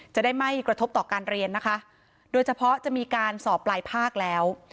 จะได้ไม่กระทบต่อการเรียนนะคะโดยเฉพาะจะมีการสอบปลายภาคแล้ว